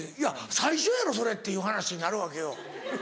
「最初やろそれ」っていう話になるわけよ。